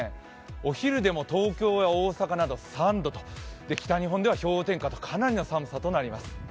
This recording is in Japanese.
お昼でも東京や大阪など３度、北日本では氷点下と、かなりの寒さとなります。